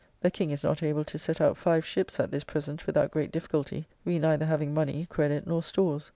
the King is not able to set out five ships at this present without great difficulty, we neither having money, credit, nor stores.